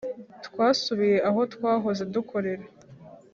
Twasubiye aho twahoze dukorera